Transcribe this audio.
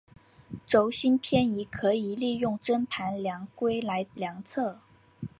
轴心偏移可以利用针盘量规来量测。